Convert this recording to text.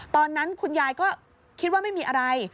ตอนนั้นคุณยายก็คิดว่าไม่มีอะไร